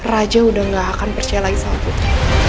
raja udah gak akan percaya lagi sama putri